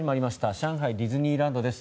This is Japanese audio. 上海ディズニーランドです。